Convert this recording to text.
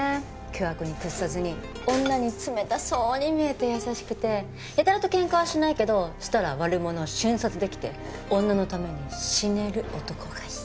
巨悪に屈さずに女に冷たそうに見えて優しくてやたらと喧嘩はしないけどしたら悪者を瞬殺できて女のために死ねる男がいい。